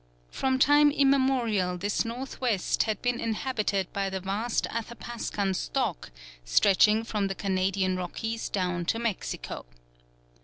From time immemorial this north west had been inhabited by the vast Athapascan stock, stretching from the Canadian Rockies down to Mexico.